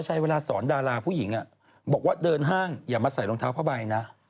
ใช้เวลาสอนดาราผู้หญิงบอกว่าเดินห้างอย่ามาใส่รองเท้าผ้าใบนะ